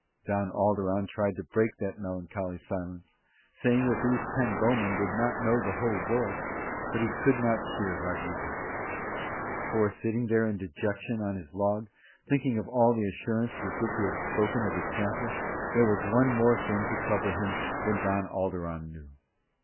Don Alderon tried to break that melancholy silence, saying that these ten bowmen did not know the whole world; but he could not cheer Rodriguez. For, sitting there in dejection on his log, thinking of all the assurance with which he had often spoken of his castle, there was one more thing to trouble him than Don Alderon knew.